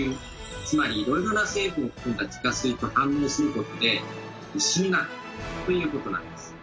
つまりいろいろな成分を含んだ地下水と反応することで石になるということなんです。